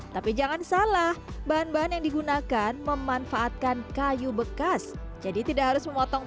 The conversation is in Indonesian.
tapi jangan salah bahan bahan yang digunakan memanfaatkan kayu bekas jadi tidak harus memotong